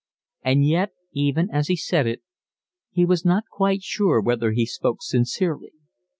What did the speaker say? And yet even as he said it he was not quite sure whether he spoke sincerely.